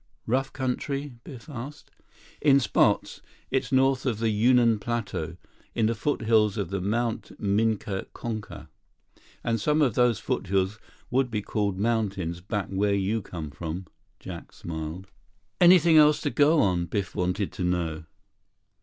"Rough country?" Biff asked. "In spots. It's north of the Yunnan plateau. In the foothills of Mt. Minya Konka. And some of those foothills would be called mountains back where you come from." Jack smiled. 62 "Anything else to go on?" Biff wanted to know.